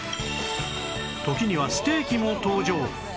時にはステーキも登場